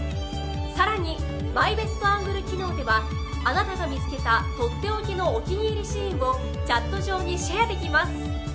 さらにマイベストアングル機能ではあなたが見つけたとっておきのお気に入りシーンをチャット上にシェアできます。